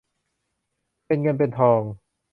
เป็นเงินเป็นทอง